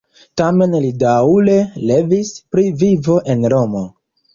Tamen li daŭre revis pri vivo en Romo.